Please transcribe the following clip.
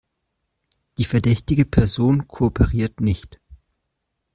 Die verdächtige Person kooperiert nicht.